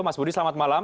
mas budi selamat malam